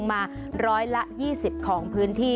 ฮัลโหล